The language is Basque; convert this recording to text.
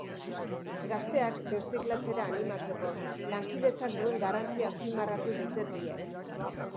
Gazteak birziklatzera animatzeko, lankidetzak duen garrantzia azpimarratu dute biek.